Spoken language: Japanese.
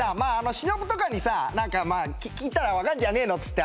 「しのぶとかにさ何か聞いたらわかんじゃねえのっつって」